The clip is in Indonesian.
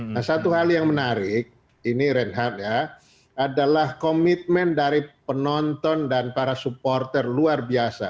nah satu hal yang menarik ini reinhardt ya adalah komitmen dari penonton dan para supporter luar biasa